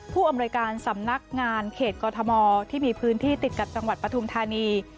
ผู้อำนวยการสำนักงานเขตกอทมที่มีพื้นที่ติดกับจังหวัดปฐุมธานี